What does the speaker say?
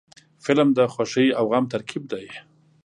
فلم د خوښۍ او غم ترکیب دی